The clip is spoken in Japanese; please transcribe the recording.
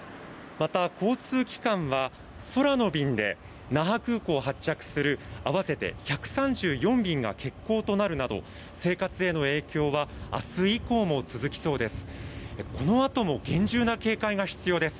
また、交通機関は空の便で那覇空港を発着する合わせて１３４便が欠航になるなど生活への影響は明日以降も続きそうです。